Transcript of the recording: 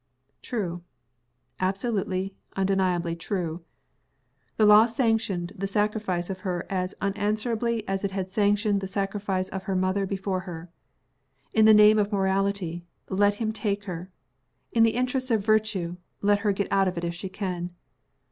True. Absolutely, undeniably true. The law sanctioned the sacrifice of her as unanswerably as it had sanctioned the sacrifice of her mother before her. In the name of Morality, let him take her! In the interests of Virtue, let her get out of it if she can!